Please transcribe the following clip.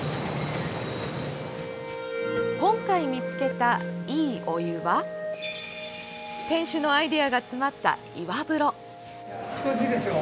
今回見つけた、いいお湯は店主のアイデアが詰まった岩風呂。